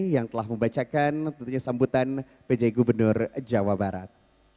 yang telah membacakan sambutan pejai gubernur jawa barat